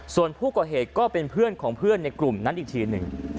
ส่วนผู้ก่อเหตุก็เป็นเพื่อนของเพื่อนในกลุ่มนั้นอีกทีหนึ่ง